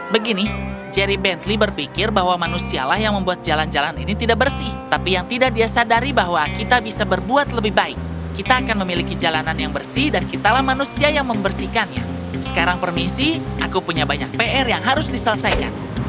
begini jerry bentley berpikir bahwa manusialah yang membuat jalan jalan ini tidak bersih tapi yang tidak dia sadari bahwa kita bisa berbuat lebih baik kita akan memiliki jalanan yang bersih dan kitalah manusia yang membersihkannya sekarang permisi aku punya banyak pr yang harus diselesaikan